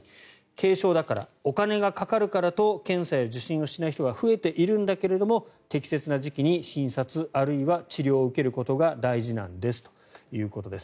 軽症だからお金がかかるからと検査や受診をしない人が増えているんだけれども適切な時期に診察あるいは治療を受けることが大事なんですということです。